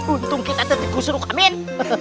untung kita tergusuruk amin